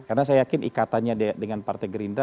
karena saya yakin ikatannya dengan partai gerindra